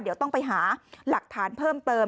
เดี๋ยวต้องไปหาหลักฐานเพิ่มเติม